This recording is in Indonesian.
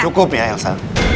cukup ya elsa